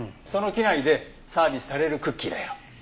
その機内でサービスされるクッキーだよ。